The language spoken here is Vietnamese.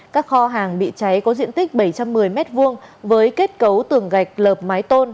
các kho hàng bị cháy có diện tích bảy trăm một mươi m hai với kết cấu tường gạch lợp mái tôn